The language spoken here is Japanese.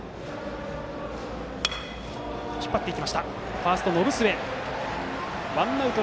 ファースト、延末とってアウト。